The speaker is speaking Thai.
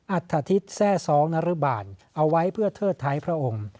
อัฐทิศแทร่ซ้องนรบาลเอาไว้เพื่อเทิดท้ายพระองค์